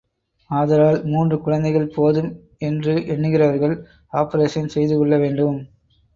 ஆதலால் மூன்று குழந்தைகள் போதும் என்று எண்ணுகிறவர்கள் ஆப்பரேஷனே செய்துகொள்ள வேண்டும்.